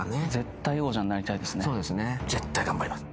絶対頑張ります。